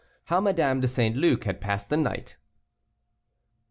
HOW MADAME DE ST. LUC HAD PASSED THE NIGHT.